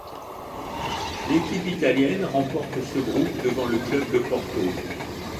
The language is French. L'équipe italienne remporte ce groupe devant le club de Porto.